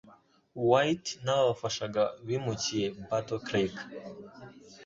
White n'ababafashaga bimukiye i Battle Creek